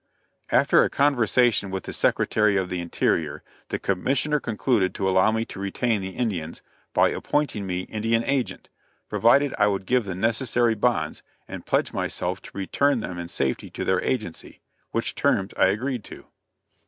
After a conversation with the Secretary of the Interior, the Commissioner concluded to allow me to retain the Indians, by appointing me Indian Agent, provided I would give the necessary bonds, and pledge myself to return them in safety to their agency which terms I agreed to.